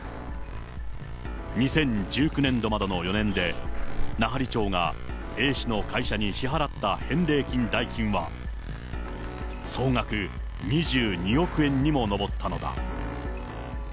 ２０１９年度までの４年で、奈半利町がＡ氏の会社に支払った返礼品代金は、総額２２億円にも上ったのだ。